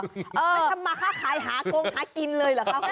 ไม่ทำมาค้าขายหากงค้ากินเลยเหรอครับ